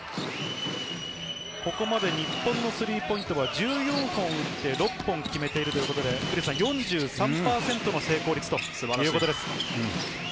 ここまで日本のスリーポイントは１４本打って、６本決めているということで４３％の成功率ということです。